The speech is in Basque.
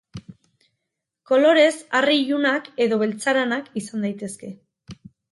Kolorez arre ilunak edo beltzaranak izan daitezke.